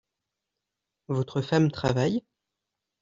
Votre femme travaille ?